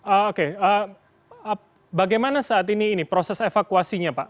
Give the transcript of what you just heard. oke bagaimana saat ini ini proses evakuasinya pak